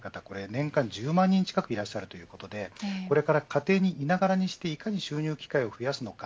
年間１０万人近くいらっしゃるということでこれから、家庭にいながらにしていかに収入機会を増やすのか。